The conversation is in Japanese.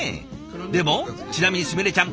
でもちなみにすみれちゃん